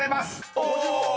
お！